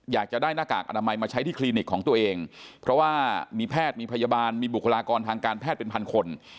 อยากจะได้หน้ากากอนามัยมาใช้ที่คลินิกของตัวเองเพราะว่ามีแพทย์มีพยาบาลมีบุคลากรทางการแพทย์เป็นพันคน